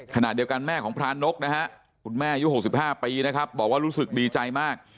ขณะเดียวกันแม่ของพระนกนะฮะคุณแม่อายุ๖๕ปีนะครับบอกว่ารู้สึกดีใจมาก